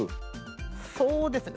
そうですね